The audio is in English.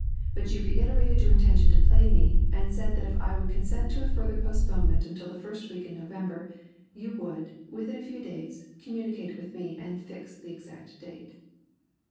But you reiterated your intention to play me, and said that if I would consent to a further postponement until the first week in November, you would, within a few days, communicate with me and fix the exact date.